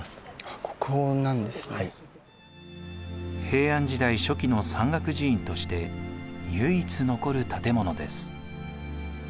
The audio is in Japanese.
平安時代初期の山岳寺院として唯一残る建物です。